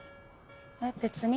えっ別に。